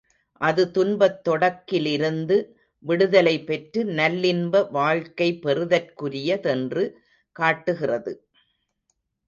அது துன்பத் தொடக்கிலிருந்து விடுதலை பெற்று நல்லின்ப வாழ்க்கை பெறுதற்குறியதென்று காட்டுகிறது.